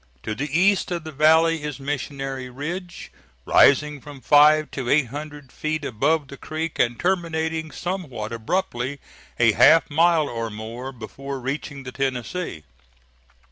To the east of the valley is Missionary Ridge, rising from five to eight hundred feet above the creek and terminating somewhat abruptly a half mile or more before reaching the Tennessee.